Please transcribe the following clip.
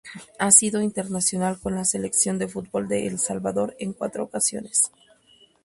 Ha sido internacional con la Selección de fútbol de El Salvador en cuatro ocasiones.